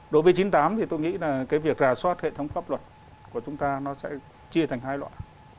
đối với chín mươi tám thì tôi nghĩ là cái việc rà soát hệ thống pháp luật của chúng ta nó sẽ chia thành hai loại